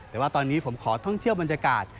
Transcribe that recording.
แต่ว่าตอนนี้ผมขอท่องเที่ยวบรรยากาศ